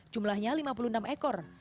jumlahnya lima puluh enam ekor